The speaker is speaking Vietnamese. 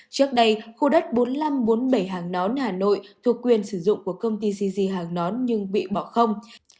trước đây khu đất bốn nghìn năm trăm bốn mươi bảy hàng nón hà nội thuộc quyền sử dụng của công ty cg hàng nón nhưng bị bỏ không